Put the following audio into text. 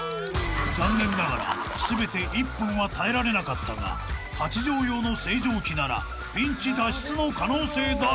［残念ながら全て１分は耐えられなかったが８畳用の清浄機ならピンチ脱出の可能性大］